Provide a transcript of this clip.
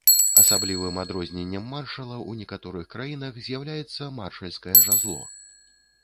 Асаблівым адрозненнем маршала ў некаторых краінах з'яўляецца маршальскае жазло.